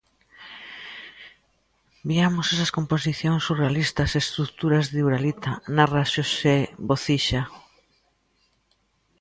"Viamos esas composicións surrealistas, estruturas de uralita...", narra Xosé Bocixa.